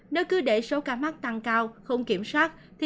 nếu cứ để số ca mắc tăng cao không kiểm soát thì